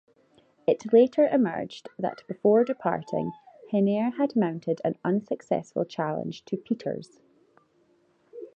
It later emerged that before departing, Henare had mounted an unsuccessful challenge to Peters.